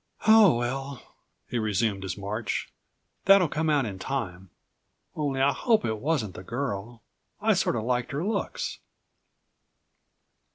"Ho, well," he resumed his march, "that'll come out in time. Only I hope it wasn't the girl. I sort of liked her looks."